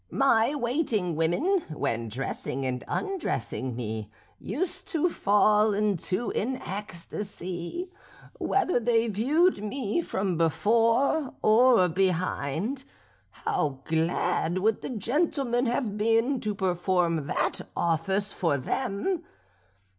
My waiting women, when dressing and undressing me, used to fall into an ecstasy, whether they viewed me before or behind; how glad would the gentlemen have been to perform that office for them!